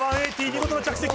見事な着席。